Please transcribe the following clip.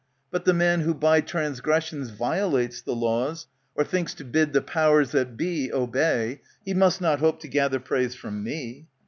But the man Who by transgressions violates the laws, Or thinks to bid the powers that be obey, He must not hope to gather praise from me.